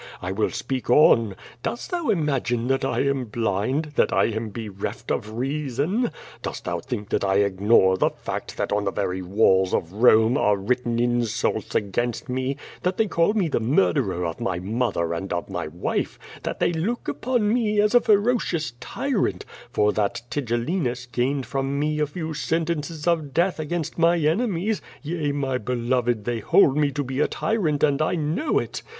I will speak on. Dost thou imagine that I am blind, that I am bereft of reason? Dost thou think that I ignore the fact that on the very walls of Home are writ ten insults against me, that they call me the murderer of my mother and of my wife, that they look upon me as a fero cious tyrant, for that Tigellinus gained from me a few sen tences of death against my enemies — yea, my beloved, they hold me to be a tyrant, and I know it.